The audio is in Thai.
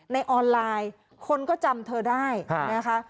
ในออนไลน์คนก็จำเธอได้นะคะ